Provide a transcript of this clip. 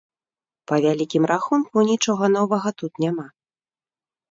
Па вялікім рахунку, нічога новага тут няма.